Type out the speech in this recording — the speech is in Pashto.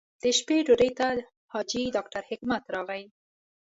د شپې ډوډۍ ته حاجي ډاکټر حکمت راغی.